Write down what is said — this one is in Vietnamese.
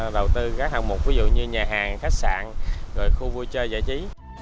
đầu tư các hạng mục ví dụ như nhà hàng khách sạn khu vui chơi giải trí